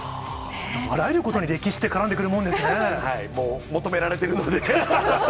あらゆることに歴史って絡んはい、求められてるので。